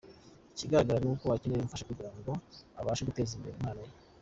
Ikigaragara ni uko akeneye ubufasha kugira ngo abashe guteza imbere impano ye.